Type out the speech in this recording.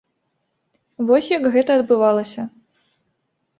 Вось як гэта адбывалася.